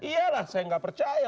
iya lah saya nggak percaya